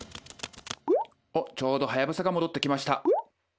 「おっちょうどハヤブサが戻ってきました。